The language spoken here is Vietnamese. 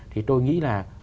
thì tôi nghĩ là